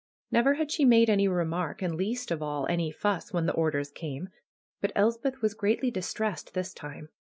Never had she made any remark, and, least of all, any fuss when the orders came. But Elspeth was greatly distressed this time.